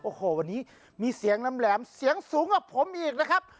โอ้โหวันนี้มีเสียงแหลมเสียงสูงกว่าผมอีกนะครับ